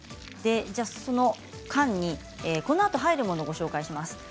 その間にこのあと入るものをご紹介します。